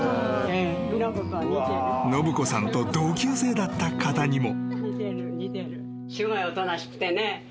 ［信子さんと同級生だった方にも］